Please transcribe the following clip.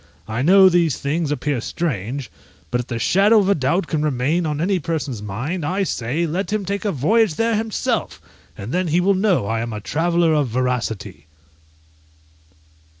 I know these things appear strange; but if the shadow of a doubt can remain on any person's mind, I say, let him take a voyage there himself, and then he will know I am a traveller of veracity.